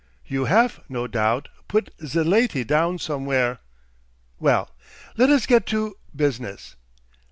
You haf, no doubt, put ze laty down somewhere. Well. Let us get to business.